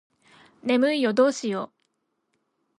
眠いよどうしよう